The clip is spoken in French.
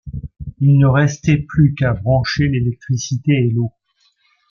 Il ne restait plus qu'à brancher l'électricité et l'eau.